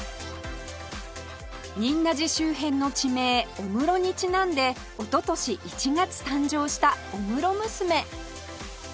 仁和寺周辺の地名御室にちなんでおととし１月誕生した御室ムスメ